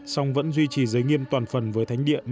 song vẫn duy trì giới nghiêm toàn phần với thánh địa